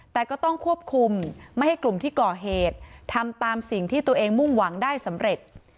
แต่ก็ต้องควบคุมไม่ให้กลุ่มที่ก่อเหตุทำตามสิ่งที่ตัวเองมุ่งหวังได้สำเร็จ